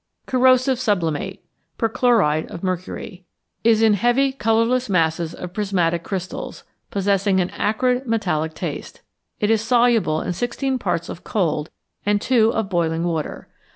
=Corrosive Sublimate= (perchloride of mercury) is in heavy colourless masses of prismatic crystals, possessing an acrid, metallic taste. It is soluble in sixteen parts of cold and two of boiling water.